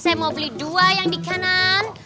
saya mau beli dua yang di kanan